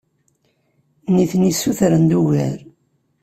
Nitni ssutren-d ugar.